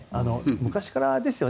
昔からですよね。